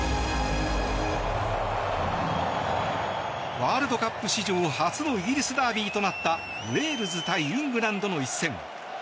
ワールドカップ史上初のイギリスダービーとなったウェールズ対イングランドの一戦。